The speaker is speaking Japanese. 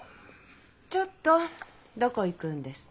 ちょっとどこ行くんですか？